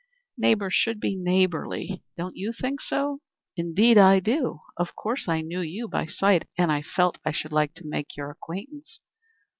Neighbors should be neighborly, don't you think so?" "Indeed I do. Of course I knew you by sight; and I felt I should like to make your acquaintance."